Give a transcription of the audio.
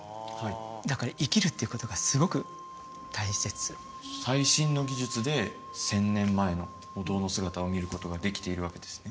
だから生きるっていうことがすごく大切最新の技術で１０００年前のお堂の姿を見ることができているわけですね？